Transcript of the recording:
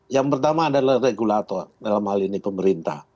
yang pertama adalah regulator dalam hal ini pemerintah